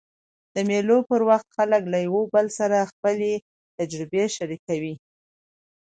د مېلو پر وخت خلک له یو بل سره خپلي تجربې شریکوي.